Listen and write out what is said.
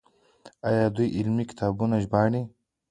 آیا دوی علمي کتابونه نه ژباړي؟